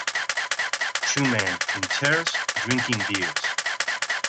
Two men in chairs drinking beers.